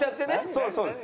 そうですそうです。